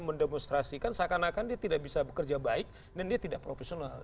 mendemonstrasikan seakan akan dia tidak bisa bekerja baik dan dia tidak profesional